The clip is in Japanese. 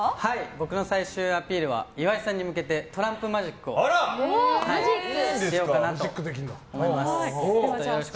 僕の最終アピールは岩井さんに向けてトランプマジックをしようかなと思います。